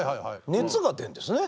熱が出るんですね